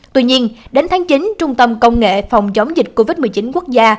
tuy nhiên đến tháng chín trung tâm công nghệ phòng chống dịch covid một mươi chín quốc gia